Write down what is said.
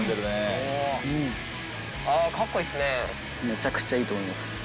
めちゃくちゃいいと思います。